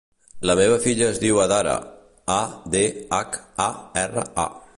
La meva filla es diu Adhara: a, de, hac, a, erra, a.